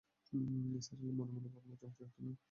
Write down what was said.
নিসার আলি মনে-মনে ভাবলেন, চমৎকার একটি মেয়ে!